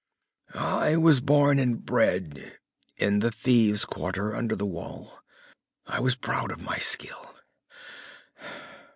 "I was born and bred in the Thieves' Quarter under the Wall. I was proud of my skill.